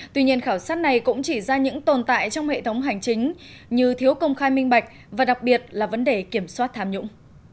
tuy nhiên khảo sát này cũng chỉ ra những tồn tại trong hệ thống hành chính như thiếu công khai minh bạch và đặc biệt là vấn đề kiểm soát tham nhũng